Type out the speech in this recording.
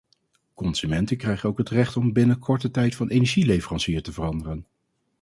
Consumenten krijgen ook het recht om binnen korte tijd van energieleverancier te veranderen.